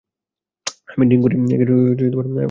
আমি ড্রিংক করি।